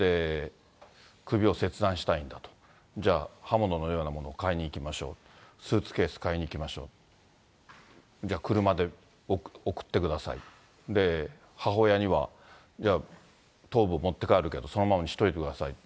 首を切断したいんだと、じゃあ刃物のようなものを買いに行きましょう、スーツケース買いに行きましょう、じゃあ、車で送ってください、母親には、頭部を持って帰るけどそのままにしといてください。